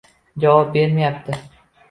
Javob bermayapti.